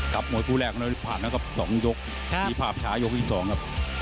กลับมวลครัวแรกผ่านแล้วกับสองยกครับมีภาพชายกที่สองครับ